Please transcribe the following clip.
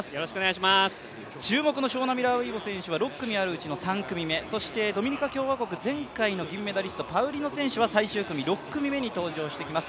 注目のショウナ・ミラー選手は６組あるうちの３組目、そしてドミニカ共和国前回の銀メダリストパウリノ選手は最終組、６組目に登場してまいります。